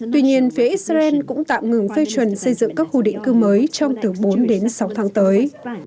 tuy nhiên phía israel cũng tạm ngừng phê chuẩn xây dựng các khu định cư mới trong từ bốn đến sáu tháng tới